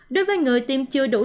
đối với người tiêm chưa đủ lượng